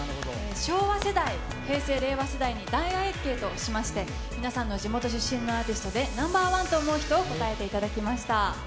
昭和世代、平成・令和世代に大アンケートをしまして、皆さんの地元出身のアーティストで、ナンバー１と思う人を答えていただきました。